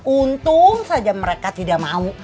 untung saja mereka tidak mau